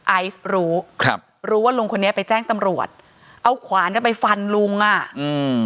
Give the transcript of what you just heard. ไอซ์รู้ครับรู้ว่าลุงคนนี้ไปแจ้งตำรวจเอาขวานจะไปฟันลุงอ่ะอืม